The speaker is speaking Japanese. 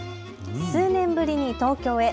数年ぶりに東京へ。